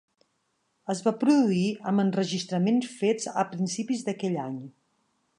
Es va produir amb enregistraments fets a principis d'aquell any.